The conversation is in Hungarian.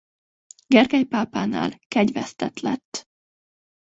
Gergely pápánál kegyvesztett lett.